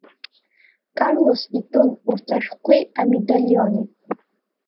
Карлос итәын урҭ ашәҟәқәеи амедалиони.